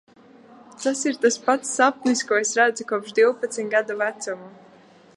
Tas ir tas pats sapnis, ko es redzu kopš divpadsmit gadu vecuma.